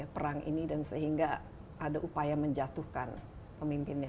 perang ini dan sehingga ada upaya menjatuhkan pemimpinnya